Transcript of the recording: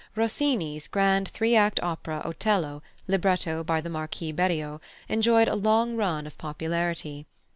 +Rossini's+ grand three act opera, Otello, libretto by the Marquis Berio, enjoyed a long run of popularity.